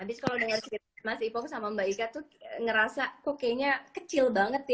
abis kalau dengar cerita mas ipo sama mbak ika tuh ngerasa kok kayaknya kecil banget ya